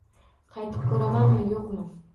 Qaytib ko`ramanmi, yo`qmi